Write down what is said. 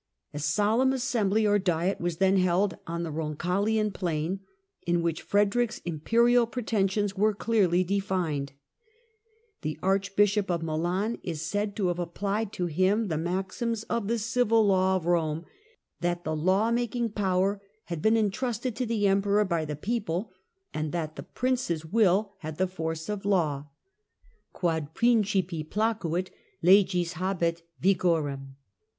A solemn assembly or Diet was then held on the Ron Assembly caglian plain, in which Frederick's imperial pretensions Roncagiia were clearly defined, and the Archbishop of Milan is said to have applied to him the maxims of the Civil Law of Rome that the law making power had been entrusted to the Emperor by the people and that the prince's will had the force of law (Quod principi placuit, legis habet vigorem).